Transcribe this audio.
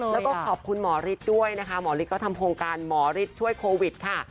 แล้วก็ขอบคุณหมอฤทธิ์ด้วยนะคะหมอฤทธิ์ทำโครงการหมอฤทธิ์ช่วยโควิดค่ะ